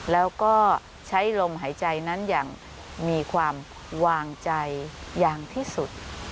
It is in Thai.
แล้วก็ใช้ลมหายใจนั้นอย่างมีความวางใจอย่างที่สุด